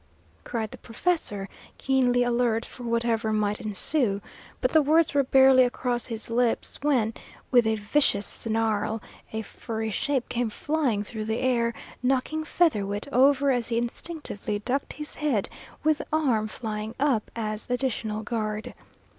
cried the professor, keenly alert for whatever might ensue; but the words were barely across his lips when, with a vicious snarl, a furry shape came flying through the air, knocking Featherwit over as he instinctively ducked his head with arm flying up as additional guard.